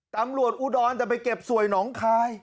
ตำรวจอุดรแต่ไปเก็บสวยหนองคาย